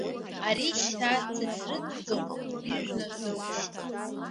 Ари шьҭа дсыцрыҵӡом, ижәны дыҟоуп.